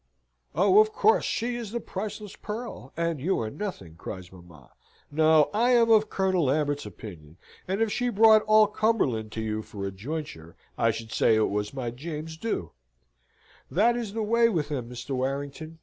"Oh, of course, she is the priceless pearl, and you are nothing," cries mamma. "No. I am of Colonel Lambert's opinion; and, if she brought all Cumberland to you for a jointure, I should say it was my James's due. That is the way with 'em, Mr. Warrington.